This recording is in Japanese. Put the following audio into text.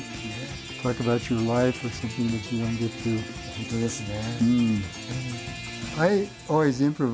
本当ですね。